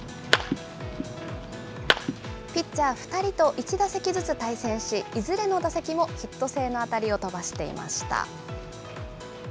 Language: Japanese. ピッチャー２人と１打席ずつ対戦し、いずれの打席もヒット性の当たりを飛ばしていました。